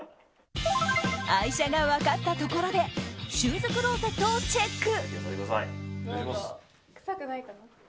愛車が分かったところでシューズクローゼットをチェック。